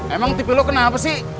emang tipi lo kenapa sih